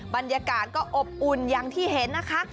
บรรยากาศก็อบอุ่นอย่างที่เห็นนะคะ